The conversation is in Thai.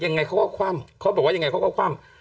ยังไงเขาก็คว่ำเขาบอกว่ายังไงเขาก็คว่ำ